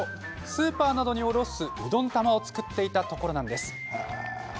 スーパーなどに卸す、うどん玉を作っていたところなんです。